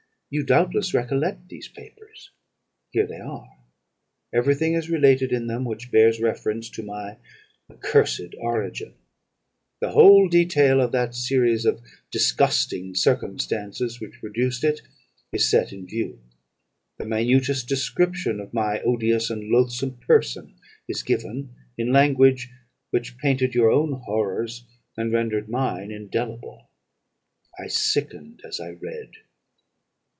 You, doubtless, recollect these papers. Here they are. Every thing is related in them which bears reference to my accursed origin; the whole detail of that series of disgusting circumstances which produced it, is set in view; the minutest description of my odious and loathsome person is given, in language which painted your own horrors, and rendered mine indelible. I sickened as I read.